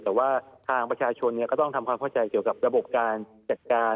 แต่ว่าทางประชาชนก็ต้องทำความเข้าใจเกี่ยวกับระบบการจัดการ